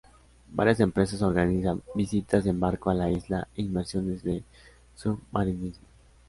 Varias empresas organizan visitas en barco a la isla e inmersiones de submarinismo.